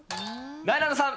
なえなのさん。